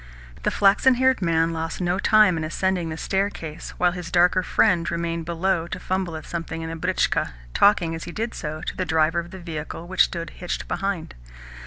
The flaxen haired man lost no time in ascending the staircase, while his darker friend remained below to fumble at something in the britchka, talking, as he did so, to the driver of the vehicle which stood hitched behind.